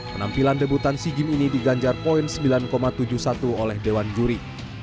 penampilan debutan sea games ini diganjar poin sembilan tujuh puluh satu oleh dewan juri